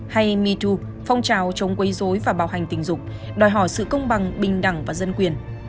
hay me too phong trào chống quấy dối và bảo hành tình dục đòi hỏi sự công bằng bình đẳng và dân quyền